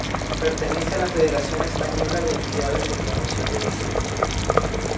Pertenece a la Federación Española de Entidades de Promoción de Diseño.